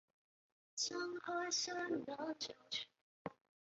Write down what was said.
顿河红豆草为豆科驴食草属的植物。